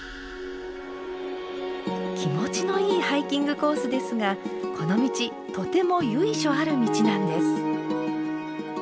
気持ちのいいハイキングコースですがこの道とても由緒ある道なんです。